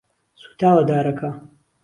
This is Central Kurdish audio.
سوتاوە دارەکە.